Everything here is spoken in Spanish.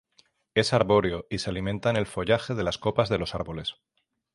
Es arbóreo, y se alimenta en el follaje de las copas de los árboles.